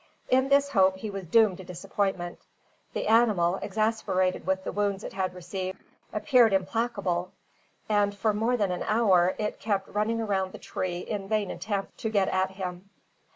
In this hope he was doomed to disappointment. The animal, exasperated with the wounds it had received, appeared implacable; and for more than an hour it kept running around the tree in vain attempts to get at him.